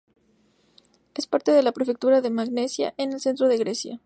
Es parte de la prefectura de Magnesia, en el centro de Grecia.